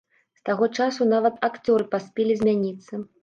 З таго часу нават акцёры паспелі змяніцца.